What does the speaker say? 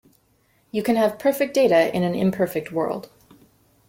You can have perfect data in an imperfect world.